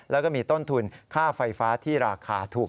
แล้วก็มีต้นทุนค่าไฟฟ้าที่ราคาถูก